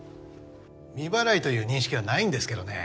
未払いという認識はないんですけどね。